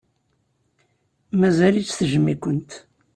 Mazal-itt tejjem-ikent.